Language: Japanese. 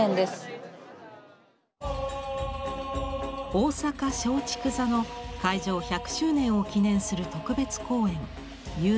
大阪松竹座の開場１００周年を記念する特別公演「幽玄」。